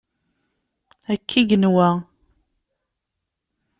Akka i yenwa.